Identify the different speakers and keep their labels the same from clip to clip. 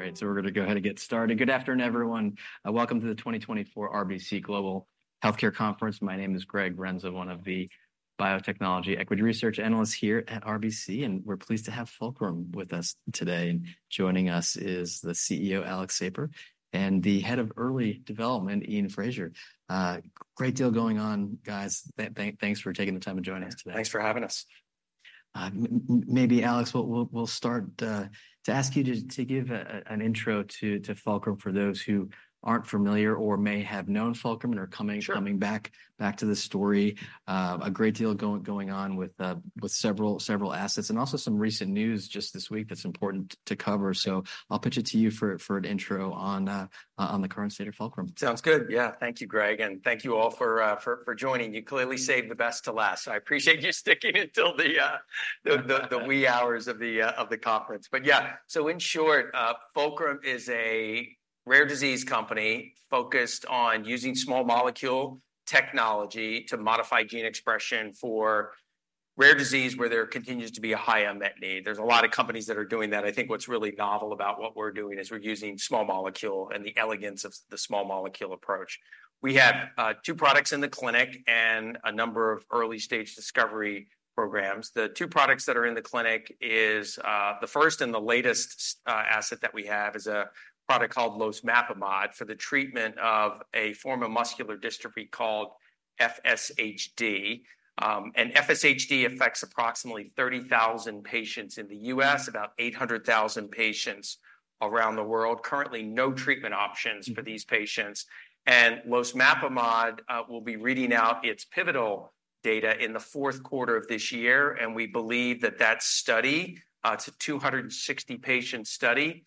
Speaker 1: Great, so we're gonna go ahead and get started. Good afternoon, everyone, welcome to the 2024 RBC Global Healthcare Conference. My name is Greg Renza, one of the biotechnology equity research analysts here at RBC, and we're pleased to have Fulcrum with us today. Joining us is the CEO, Alex Sapir, and the Head of Early Development, Iain Fraser. Great deal going on, guys. Thanks for taking the time to join us today.
Speaker 2: Thanks for having us.
Speaker 1: Maybe Alex, we'll start to ask you to give an intro to Fulcrum for those who aren't familiar or may have known Fulcrum and are coming-
Speaker 2: Sure...
Speaker 1: coming back to the story. A great deal going on with several assets, and also some recent news just this week that's important to cover. So I'll pitch it to you for an intro on the current state of Fulcrum.
Speaker 2: Sounds good. Yeah, thank you, Greg, and thank you all for joining. You clearly saved the best to last. I appreciate you sticking until the wee hours of the conference. But yeah, so in short, Fulcrum is a rare disease company focused on using small molecule technology to modify gene expression for rare disease, where there continues to be a high unmet need. There's a lot of companies that are doing that. I think what's really novel about what we're doing is we're using small molecule and the elegance of the small molecule approach. We have two products in the clinic and a number of early-stage discovery programs. The two products that are in the clinic is, the first and the latest, asset that we have is a product called losmapimod for the treatment of a form of muscular dystrophy called FSHD. And FSHD affects approximately 30,000 patients in the US, about 800,000 patients around the world. Currently, no treatment options for these patients, and losmapimod will be reading out its pivotal data in the fourth quarter of this year, and we believe that that study, it's a 260 patient study,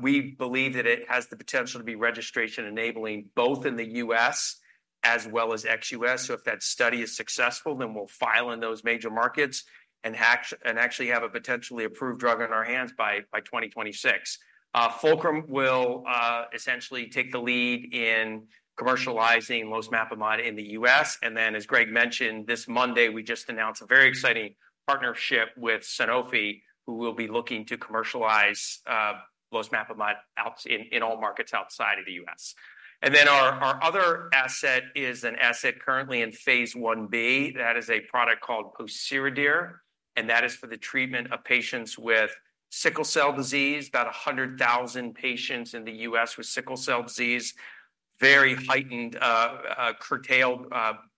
Speaker 2: we believe that it has the potential to be registration-enabling both in the US as well as ex-US. So if that study is successful, then we'll file in those major markets and actually have a potentially approved drug on our hands by 2026. Fulcrum will essentially take the lead in commercializing losmapimod in the US, and then, as Greg mentioned, this Monday, we just announced a very exciting partnership with Sanofi, who will be looking to commercialize losmapimod in all markets outside of the US. And then our other asset is an asset currently in phase 1b. That is a product called pociredir, and that is for the treatment of patients with sickle cell disease. About 100,000 patients in the US with sickle cell disease. Very heightened, curtailed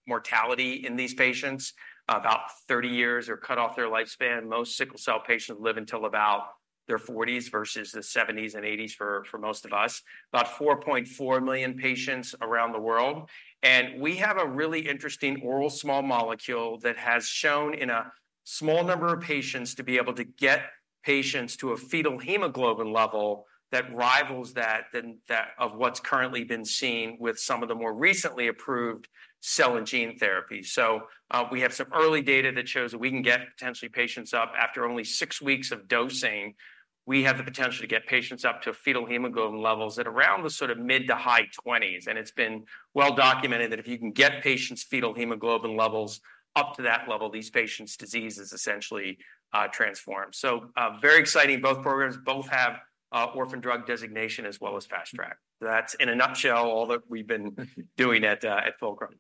Speaker 2: mortality in these patients. About 30 years are cut off their lifespan. Most sickle cell patients live until about their 40s versus the 70s and 80s for most of us. About 4.4 million patients around the world, and we have a really interesting oral small molecule that has shown in a small number of patients to be able to get patients to a fetal hemoglobin level that rivals that than that of what's currently been seen with some of the more recently approved cell and gene therapy. So, we have some early data that shows that we can get potentially patients up after only 6 weeks of dosing. We have the potential to get patients up to fetal hemoglobin levels at around the sort of mid- to high 20s, and it's been well documented that if you can get patients' fetal hemoglobin levels up to that level, these patients' disease is essentially transformed. So, very exciting, both programs both have Orphan Drug Designation as well as Fast Track.That's in a nutshell, all that we've been doing at Fulcrum.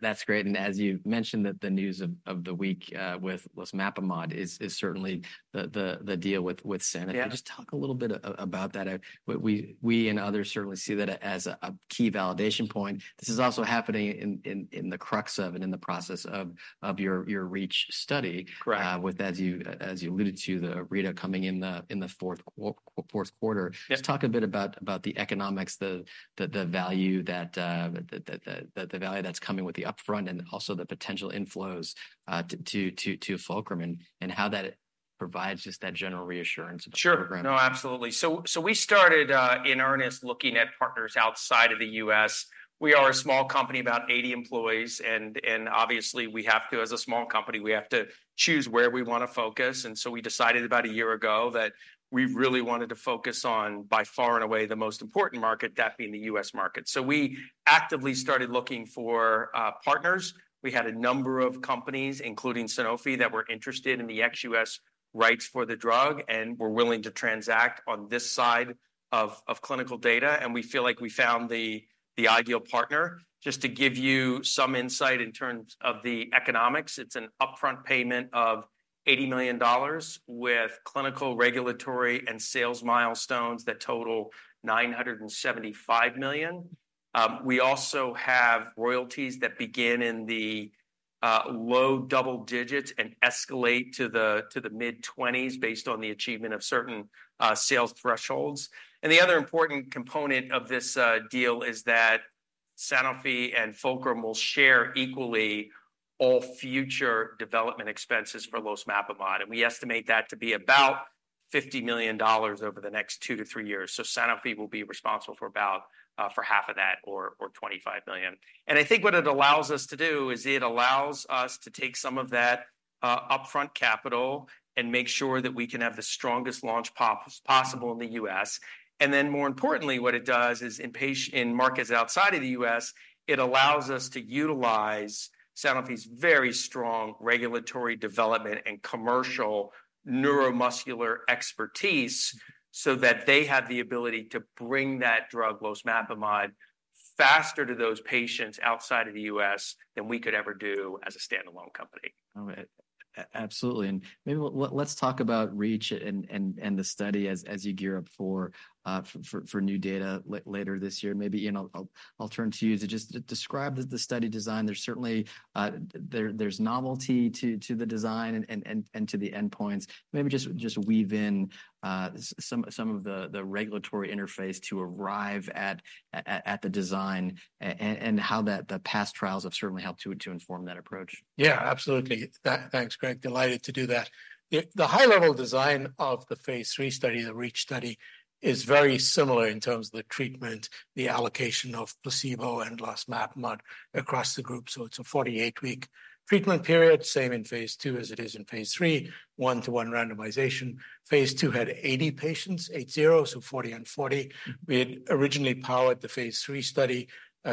Speaker 1: That's great, and as you mentioned, the news of the week with losmapimod is certainly the deal with Sanofi.
Speaker 2: Yeah.
Speaker 1: Just talk a little bit about that. We and others certainly see that as a key validation point. This is also happening in the crux of and in the process of your REACH study-
Speaker 2: Correct...
Speaker 1: with, as you, as you alluded to, the read coming in the fourth quarter.
Speaker 2: Yeah.
Speaker 1: Just talk a bit about the economics, the value that's coming with the upfront and also the potential inflows to Fulcrum and how that provides just that general reassurance-
Speaker 2: Sure...
Speaker 1: about the program.
Speaker 2: No, absolutely. We started in earnest looking at partners outside of the US. We are a small company, about 80 employees, and obviously, we have to, as a small company, we have to choose where we wanna focus, and so we decided about a year ago that we really wanted to focus on, by far and away, the most important market, that being the US market. So we actively started looking for partners. We had a number of companies, including Sanofi, that were interested in the ex-US rights for the drug and were willing to transact on this side of clinical data, and we feel like we found the ideal partner. Just to give you some insight in terms of the economics, it's an upfront payment of $80 million with clinical, regulatory, and sales milestones that total $975 million. We also have royalties that begin in the low double digits and escalate to the mid-twenties based on the achievement of certain sales thresholds. The other important component of this deal is that Sanofi and Fulcrum will share equally all future development expenses for losmapimod, and we estimate that to be about $50 million over the next two to three years. Sanofi will be responsible for about half of that, or $25 million. I think what it allows us to do is it allows us to take some of that upfront capital and make sure that we can have the strongest launch possible in the US. Then, more importantly, what it does is in markets outside of the US, it allows us to utilize Sanofi's very strong regulatory development and commercial neuromuscular expertise so that they have the ability to bring that drug, losmapimod, faster to those patients outside of the US than we could ever do as a standalone company.
Speaker 1: All right. Absolutely. And maybe let's talk about REACH and the study as you gear up for new data later this year. Maybe, Iain, I'll turn to you to just describe the study design. There's certainly novelty to the design and to the endpoints. Maybe just weave in some of the regulatory interface to arrive at the design and how the past trials have certainly helped to inform that approach.
Speaker 3: Yeah, absolutely. Thanks, Greg. Delighted to do that. The high-level design of the phase 3 study, the REACH study, is very similar in terms of the treatment, the allocation of placebo and losmapimod across the group. So it's a 48-week treatment period, same in phase 2 as it is in phase 3, one-to-one randomization. Phase 2 had 80 patients, 80, so 40 and 40. We had originally powered the phase 3 study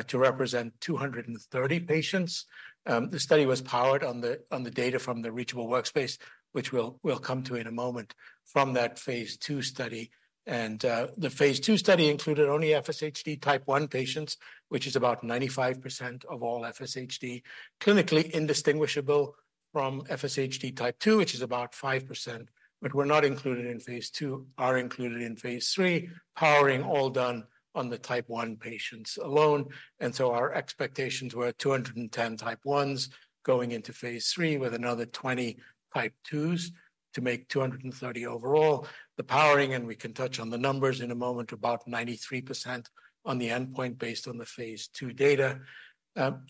Speaker 3: to represent 230 patients. The study was powered on the data from the Reachable Workspace, which we'll come to in a moment from that phase 2 study. And, the Phase 2 study included only FSHD Type 1 patients, which is about 95% of all FSHD, clinically indistinguishable from FSHD Type 2, which is about 5%, but were not included in Phase 2, are included in Phase 3, powering all done on the type 1 patients alone. And so our expectations were 210 type 1s going into Phase 3, with another 20 type 2s to make 230 overall. The powering, and we can touch on the numbers in a moment, about 93% on the endpoint based on the Phase 2 data.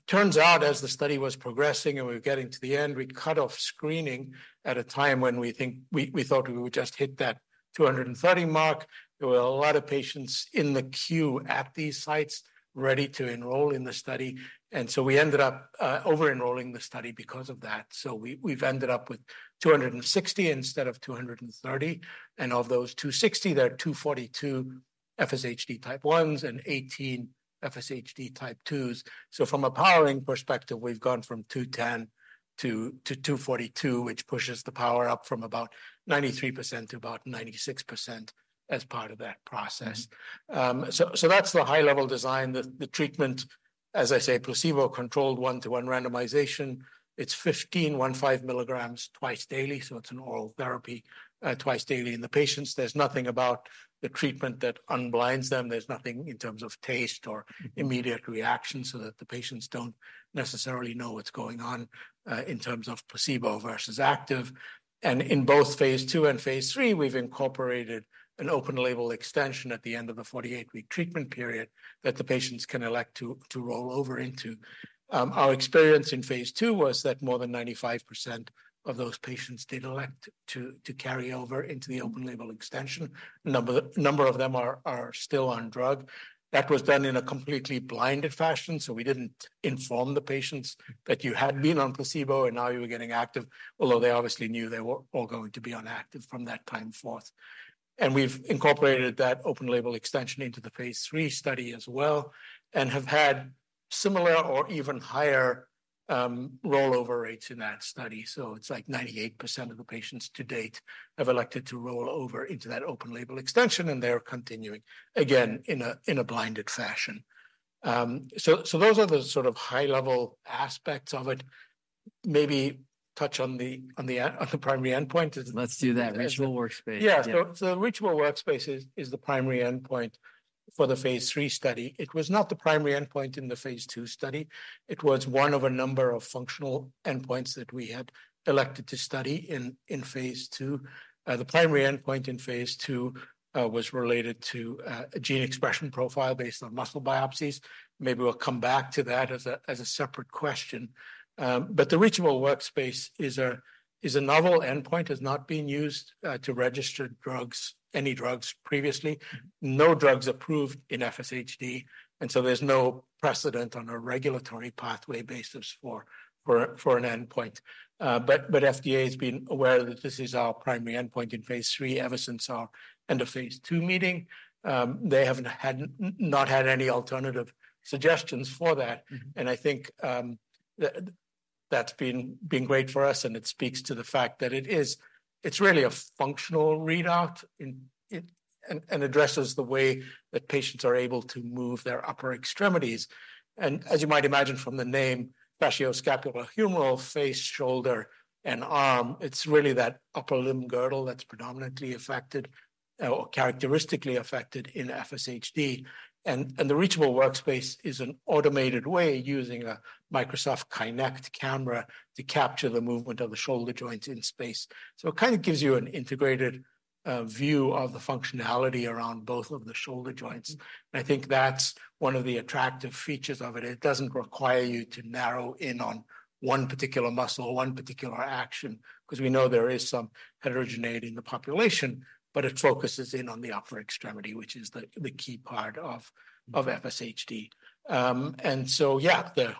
Speaker 3: Turns out, as the study was progressing and we were getting to the end, we cut off screening at a time when we thought we would just hit that 230 mark. There were a lot of patients in the queue at these sites ready to enroll in the study, and so we ended up over-enrolling the study because of that. So we, we've ended up with 260 instead of 230, and of those 260, there are 242 FSHD type 1s and 18 FSHD type 2s. So from a powering perspective, we've gone from 210 to 242, which pushes the power up from about 93% to about 96% as part of that process. So that's the high-level design. The treatment, as I say, placebo-controlled one-to-one randomization. It's 15, 15 milligrams twice daily, so it's an oral therapy twice daily in the patients. There's nothing about the treatment that unblinds them. There's nothing in terms of taste or immediate reaction so that the patients don't necessarily know what's going on in terms of placebo versus active. In both phase 2 and phase 3, we've incorporated an open label extension at the end of the 48-week treatment period that the patients can elect to to roll over into. Our experience in phase 2 was that more than 95% of those patients did elect to to carry over into the open label extension. A number of them are still on drug. That was done in a completely blinded fashion, so we didn't inform the patients that you had been on placebo and now you were getting active, although they obviously knew they were all going to be on active from that time forth. We've incorporated that open label extension into the phase 3 study as well and have had similar or even higher rollover rates in that study. So it's like 98% of the patients to date have elected to roll over into that open label extension, and they are continuing, again, in a blinded fashion. So those are the sort of high-level aspects of it. Maybe touch on the primary endpoint.
Speaker 1: Let's do that. Reachable workspace.
Speaker 3: Yeah.
Speaker 1: Yeah.
Speaker 3: So, reachable workspace is the primary endpoint for the phase 3 study. It was not the primary endpoint in the phase 2 study. It was one of a number of functional endpoints that we had elected to study in phase 2. The primary endpoint in phase 2 was related to a gene expression profile based on muscle biopsies. Maybe we'll come back to that as a separate question. But the reachable workspace is a novel endpoint, has not been used to register drugs, any drugs previously. No drugs approved in FSHD, and so there's no precedent on a regulatory pathway basis for an endpoint. But FDA has been aware that this is our primary endpoint in phase 3 ever since our end of phase 2 meeting. They haven't had any alternative suggestions for that.
Speaker 1: Mm-hmm.
Speaker 3: And I think that that's been great for us, and it speaks to the fact that it is it's really a functional readout in it and addresses the way that patients are able to move their upper extremities. And as you might imagine from the name, facioscapulohumeral, face, shoulder, and arm, it's really that upper limb girdle that's predominantly affected or characteristically affected in FSHD. And the reachable workspace is an automated way using a Microsoft Kinect camera to capture the movement of the shoulder joints in space. So it kind of gives you an integrated a view of the functionality around both of the shoulder joints. I think that's one of the attractive features of it. It doesn't require you to narrow in on one particular muscle or one particular action, 'cause we know there is some heterogeneity in the population, but it focuses in on the upper extremity, which is the key part of FSHD. And so yeah, the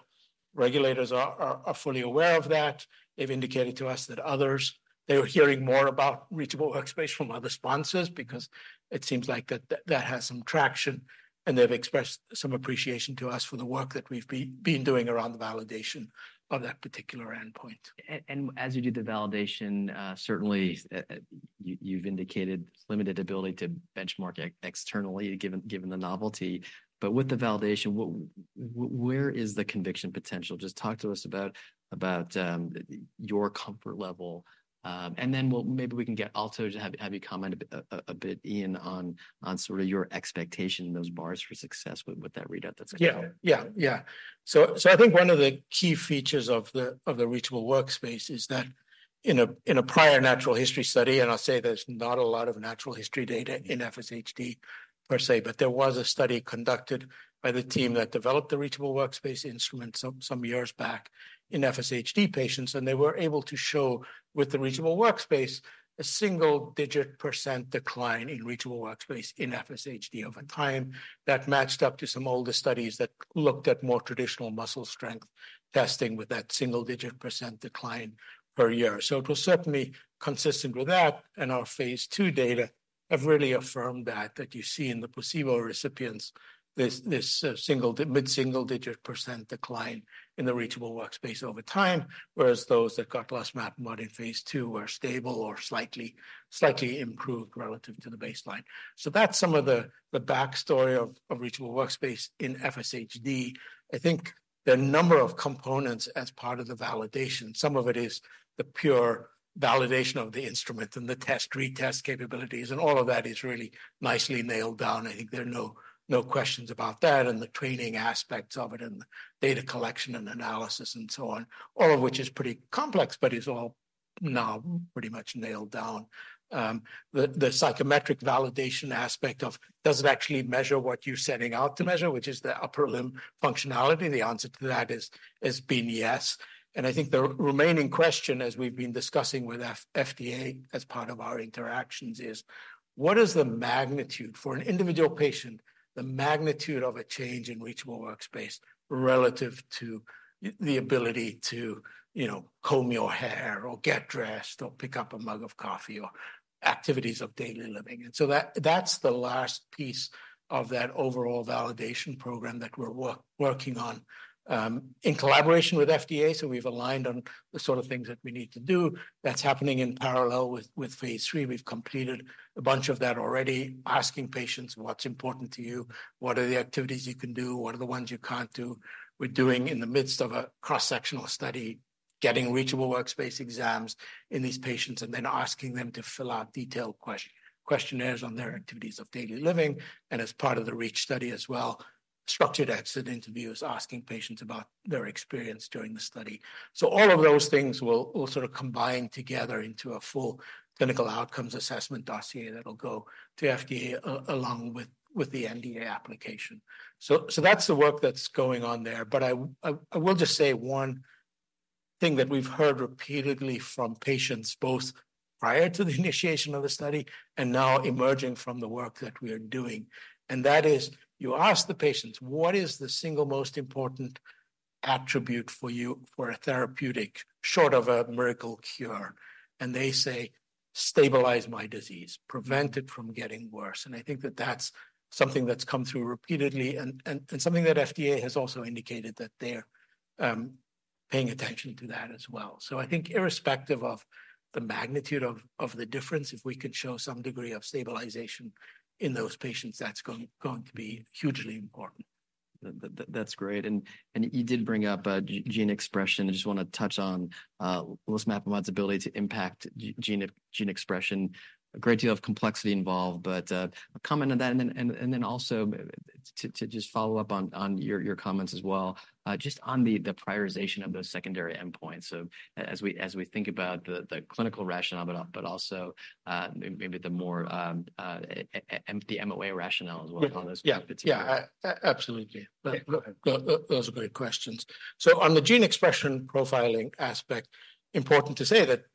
Speaker 3: regulators are fully aware of that. They've indicated to us that others - they were hearing more about reachable workspace from other sponsors because it seems like that has some traction, and they've expressed some appreciation to us for the work that we've been doing around the validation of that particular endpoint.
Speaker 1: And as you do the validation, certainly, you've indicated limited ability to benchmark externally, given the novelty, but with the validation, where is the conviction potential? Just talk to us about your comfort level. And then we'll maybe we can get also to have you comment a bit in on sort of your expectation, those bars for success with that readout that's-
Speaker 3: Yeah. Yeah, yeah. So, I think one of the key features of the reachable workspace is that in a prior natural history study, and I'll say there's not a lot of natural history data in FSHD per se, but there was a study conducted by the team that developed the reachable workspace instrument some years back in FSHD patients, And they were able to show, with the reachable workspace, a single-digit % decline in reachable workspace in FSHD over time. That matched up to some older studies that looked at more traditional muscle strength testing with that single-digit % decline per year. So it was certainly consistent with that, and our Phase II data have really affirmed that you see in the placebo recipients this mid-single-digit % decline in the reachable workspace over time, whereas those that got losmapimod in Phase II were stable or slightly improved relative to the baseline. So that's some of the backstory of reachable workspace in FSHD. I think the number of components as part of the validation, some of it is the pure validation of the instrument and the test-retest capabilities, and all of that is really nicely nailed down. I think there are no questions about that, and the training aspects of it and the data collection and analysis and so on. All of which is pretty complex, but is all now pretty much nailed down. The psychometric validation aspect of, does it actually measure what you're setting out to measure, which is the upper limb functionality? The answer to that is, has been yes. I think the remaining question, as we've been discussing with FDA as part of our interactions, is: What is the magnitude for an individual patient, the magnitude of a change in reachable workspace relative to the ability to, you know, comb your hair, or get dressed, or pick up a mug of coffee, or activities of daily living? And so that, that's the last piece of that overall validation program that we're working on, in collaboration with FDA. We've aligned on the sort of things that we need to do. That's happening in parallel with phase III. We've completed a bunch of that already, asking patients: "What's important to you? What are the activities you can do? What are the ones you can't do?" We're doing in the midst of a cross-sectional study, getting reachable workspace exams in these patients and then asking them to fill out detailed questionnaires on their activities of daily living, and as part of the REACH study as well, structured exit interviews, asking patients about their experience during the study. So all of those things will all sort of combine together into a full clinical outcomes assessment dossier that'll go to FDA along with, with the NDA application. So, so that's the work that's going on there. But I will just say one thing that we've heard repeatedly from patients, both prior to the initiation of the study and now emerging from the work that we are doing, and that is, you ask the patients: "What is the single most important attribute for you for a therapeutic short of a miracle cure?" And they say, "Stabilize my disease. Prevent it from getting worse." And I think that that's something that's come through repeatedly and something that FDA has also indicated that they're paying attention to that as well. So I think irrespective of the magnitude of the difference, if we could show some degree of stabilization in those patients, that's going to be hugely important.
Speaker 1: That's great. And you did bring up gene expression. I just wanna touch on losmapimod's ability to impact gene expression. A great deal of complexity involved, but comment on that, and then also just follow up on your comments as well, just on the prioritization of those secondary endpoints. So as we think about the clinical rationale, but also maybe the more the MOA rationale as well.
Speaker 3: Yeah.
Speaker 1: On this.
Speaker 3: Yeah, yeah. Absolutely.
Speaker 1: Okay.
Speaker 3: Those are great questions. So on the gene expression profiling aspect, important to say that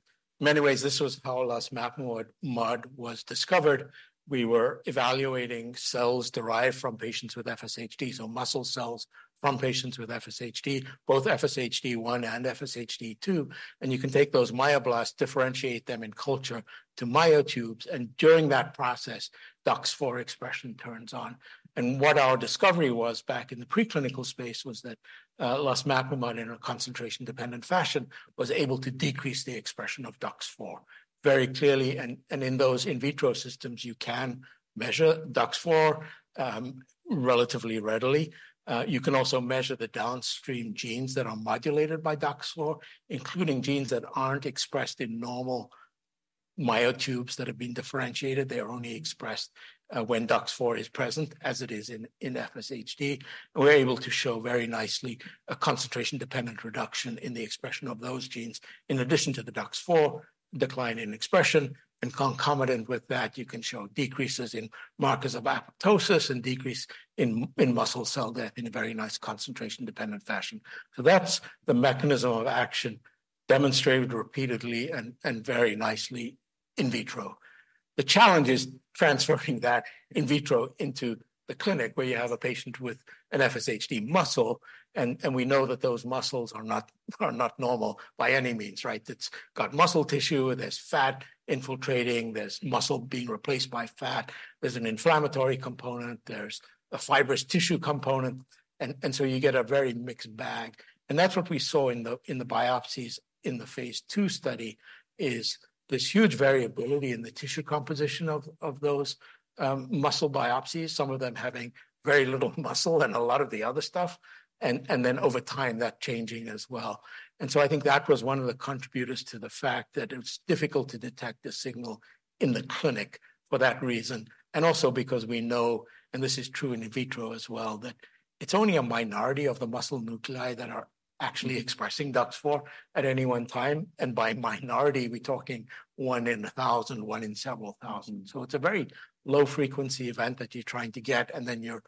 Speaker 3: many ways this was how losmapimod was discovered. We were evaluating cells derived from patients with FSHD, so muscle cells from patients with FSHD, both FSHD1 and FSHD2. And you can take those myoblasts, differentiate them in culture to myotubes, and during that process, DUX4 expression turns on. And what our discovery was back in the preclinical space was that, losmapimod, in a concentration-dependent fashion, was able to decrease the expression of DUX4 very clearly. And in those in vitro systems, you can measure DUX4 relatively readily. You can also measure the downstream genes that are modulated by DUX4, including genes that aren't expressed in normal myotubes that have been differentiated. They are only expressed when DUX4 is present, as it is in FSHD. We're able to show very nicely a concentration-dependent reduction in the expression of those genes, in addition to the DUX4 decline in expression, and concomitant with that, you can show decreases in markers of apoptosis and decrease in muscle cell death in a very nice concentration-dependent fashion. So that's the mechanism of action demonstrated repeatedly and very nicely in vitro. The challenge is transferring that in vitro into the clinic, where you have a patient with an FSHD muscle, and we know that those muscles are not normal by any means, right? It's got muscle tissue, there's fat infiltrating, there's muscle being replaced by fat, there's an inflammatory component, there's a fibrous tissue component, and so you get a very mixed bag. That's what we saw in the biopsies in the Phase II study is this huge variability in the tissue composition of those muscle biopsies, some of them having very little muscle and a lot of the other stuff, and then over time, that changing as well. So I think that was one of the contributors to the fact that it's difficult to detect a signal in the clinic for that reason, and also because we know, and this is true in vitro as well, that it's only a minority of the muscle nuclei that are actually expressing DUX4 at any one time, and by minority, we're talking 1 in 1,000, 1 in several thousand. So it's a very low-frequency event that you're trying to get, and then you're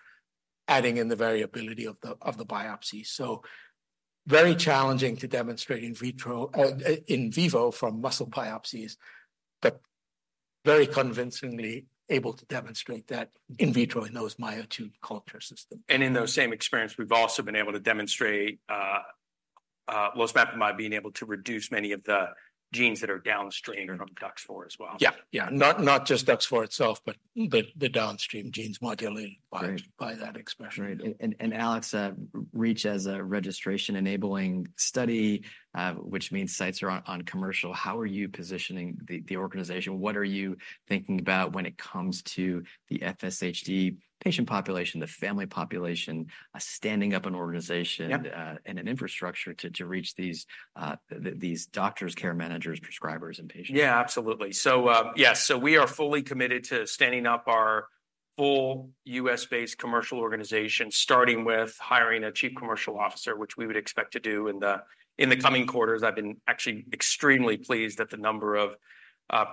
Speaker 3: adding in the variability of the biopsy. Very challenging to demonstrate in vitro, in vivo from muscle biopsies, but very convincingly able to demonstrate that in vitro in those myotube culture systems.
Speaker 2: In those same experiments, we've also been able to demonstrate, losmapimod being able to reduce many of the genes that are downstream from DUX4 as well.
Speaker 3: Yeah, yeah. Not just DUX4 itself, but the downstream genes modulated-
Speaker 2: Right...
Speaker 3: by that expression.
Speaker 1: Right. And Alex, REACH as a registration-enabling study, which means sites are on commercial. How are you positioning the organization? What are you thinking about when it comes to the FSHD patient population, the family population, standing up an organization-
Speaker 2: Yep...
Speaker 1: and an infrastructure to reach these doctors, care managers, prescribers, and patients?
Speaker 2: Yeah, absolutely. So, yes, so we are fully committed to standing up our full US-based commercial organization, starting with hiring a chief commercial officer, which we would expect to do in the coming quarters. I've been actually extremely pleased at the number of,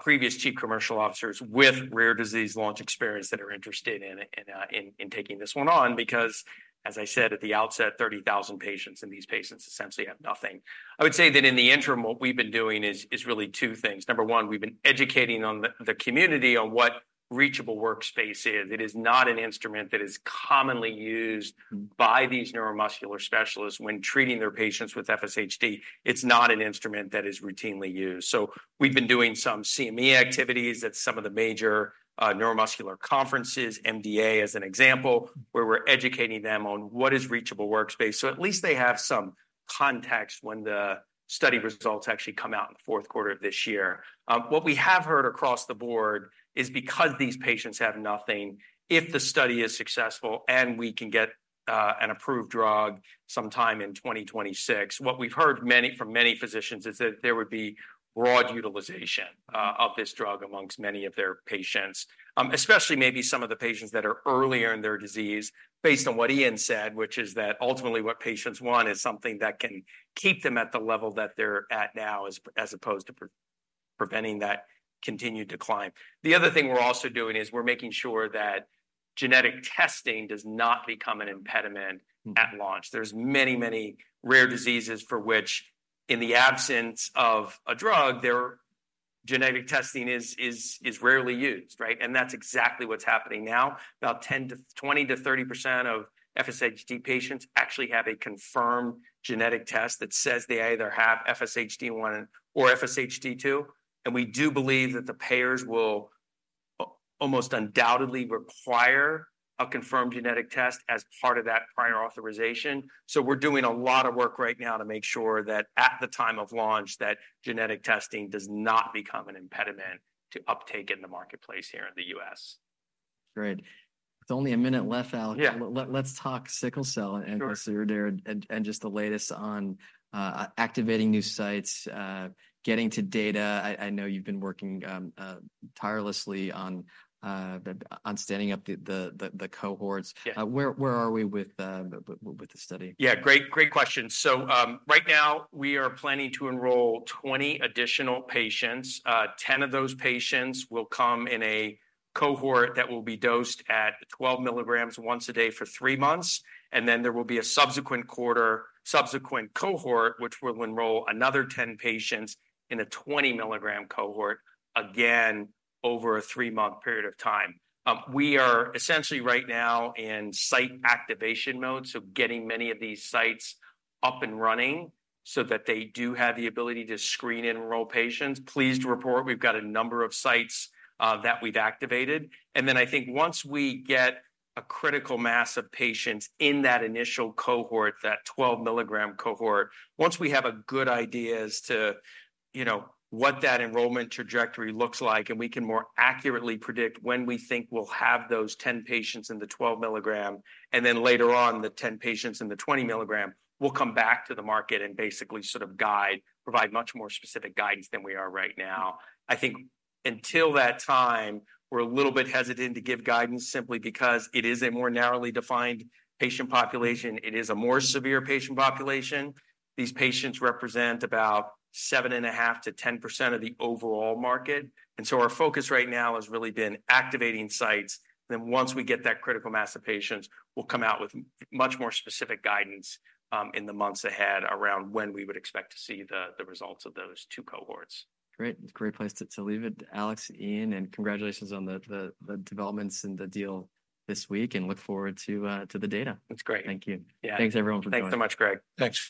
Speaker 2: previous chief commercial officers with rare disease launch experience that are interested in taking this one on, because, as I said at the outset, 30,000 patients, and these patients essentially have nothing. I would say that in the interim, what we've been doing is really two things. Number one, we've been educating on the community on what reachable workspace is. It is not an instrument that is commonly used by these neuromuscular specialists when treating their patients with FSHD. It's not an instrument that is routinely used. So we've been doing some CME activities at some of the major neuromuscular conferences, MDA, as an example, where we're educating them on what is reachable workspace, so at least they have some context when the study results actually come out in the fourth quarter of this year. What we have heard across the board is because these patients have nothing, if the study is successful, and we can get an approved drug sometime in 2026, what we've heard from many physicians is that there would be broad utilization of this drug amongst many of their patients, especially maybe some of the patients that are earlier in their disease, based on what Iain said, which is that ultimately, what patients want is something that can keep them at the level that they're at now, as opposed to preventing that continued decline. The other thing we're also doing is we're making sure that genetic testing does not become an impediment at launch. There's many, many rare diseases for which, in the absence of a drug, their genetic testing is rarely used, right? And that's exactly what's happening now. About 20%-30% of FSHD patients actually have a confirmed genetic test that says they either have FSHD1 or FSHD2, and we do believe that the payers will almost undoubtedly require a confirmed genetic test as part of that prior authorization. So we're doing a lot of work right now to make sure that at the time of launch, that genetic testing does not become an impediment to uptake in the marketplace here in the US.
Speaker 1: Great. With only a minute left, Alex-
Speaker 2: Yeah...
Speaker 1: let's talk sickle cell-
Speaker 2: Sure...
Speaker 1: and since you're there, and just the latest on activating new sites, getting to data. I know you've been working tirelessly on standing up the cohorts.
Speaker 2: Yeah.
Speaker 1: Where are we with the study?
Speaker 2: Yeah, great, great question. So, right now, we are planning to enroll 20 additional patients. Ten of those patients will come in a cohort that will be dosed at 12 milligrams once a day for 3 months, and then there will be a subsequent cohort, which will enroll another 10 patients in a 20-milligram cohort, again, over a 3-month period of time. We are essentially right now in site activation mode, so getting many of these sites up and running so that they do have the ability to screen and enroll patients. Pleased to report we've got a number of sites that we've activated. And then I think once we get a critical mass of patients in that initial cohort, that 12-milligram cohort, once we have a good idea as to, you know, what that enrollment trajectory looks like, and we can more accurately predict when we think we'll have those 10 patients in the 12 milligram, and then later on, the 10 patients in the 20 milligram, we'll come back to the market and basically sort of guide, provide much more specific guidance than we are right now. I think until that time, we're a little bit hesitant to give guidance simply because it is a more narrowly defined patient population. It is a more severe patient population. These patients represent about 7.5%-10% of the overall market, and so our focus right now has really been activating sites. Then once we get that critical mass of patients, we'll come out with much more specific guidance in the months ahead around when we would expect to see the results of those two cohorts.
Speaker 1: Great. Great place to leave it, Alex, Iain, and congratulations on the developments in the deal this week, and look forward to the data.
Speaker 2: That's great.
Speaker 1: Thank you.
Speaker 2: Yeah.
Speaker 1: Thanks, everyone, for joining.
Speaker 2: Thanks so much, Greg.
Speaker 3: Thanks.